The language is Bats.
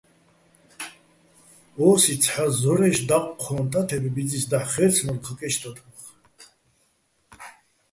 ო́სი ცჰ̦ა ზორაჲში̆ დაჴჴო́ჼ ტათებ ბიძის დაჰ̦ ხაჲრცნო́რ ქაკე́ჩ ტათბუხ.